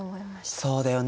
そうだよね